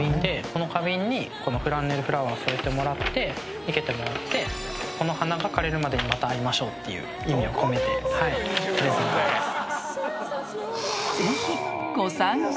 この花瓶にフランネルフラワー生けてもらってこの花が枯れるまでにまた会いましょうって意味を込めてプレゼントです。